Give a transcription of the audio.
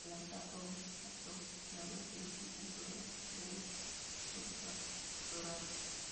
El actual patrocinador del equipo en todas las categorías es Gatorade.